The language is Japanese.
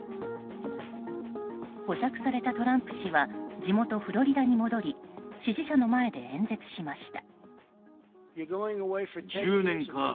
保釈されたトランプ氏は地元フロリダに戻り支持者の前で演説しました。